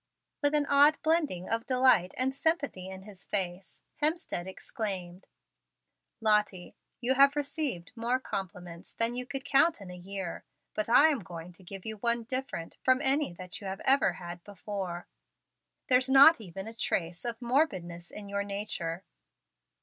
With an odd blending of delight and sympathy in his face, Hemstead exclaimed: "Lottie! You have received more compliments than you could count in a year, but I am going to give you one different from any that you ever had before. There's not even a trace of morbidness in your nature."